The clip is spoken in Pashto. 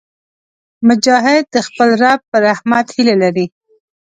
مجاهد د خپل رب په رحمت هیله لري.